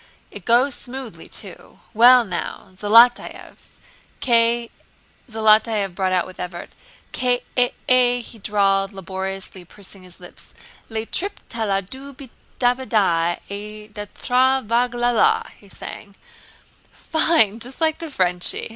"It goes smoothly, too. Well, now, Zaletáev!" "Ke..." Zaletáev, brought out with effort: "ke e e e," he drawled, laboriously pursing his lips, "le trip ta la de bu de ba, e de tra va ga la" he sang. "Fine! Just like the Frenchie!